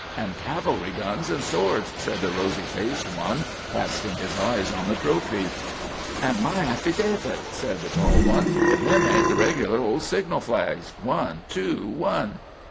"And cavalry guns and swords," said the rosy faced one, casting his eyes on the trophy. "And my affydavid," said the tall one, "if them ain't the reg'lar old signal flags one, two, one."